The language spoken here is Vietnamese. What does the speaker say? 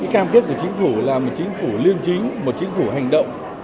cam kết của chính phủ là một chính phủ liên chính một chính phủ hành động